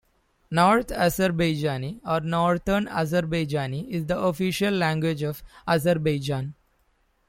North Azerbaijani, or Northern Azerbaijani, is the official language of Azerbaijan.